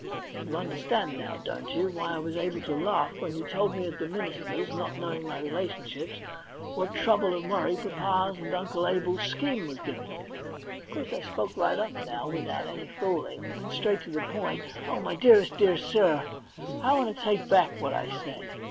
You understand now, don't you, why I was able to laugh when you told me at the minister's, not knowing my relationships, what trouble and worry papa's and Uncle Abel's scheme was giving you ?' 38 THE £1,000,000 BANK NOTE Of course I spoke right up, now, without any fooHng, and went straight to the point. * Oh, my dearest dear sir, I want to take back what I said.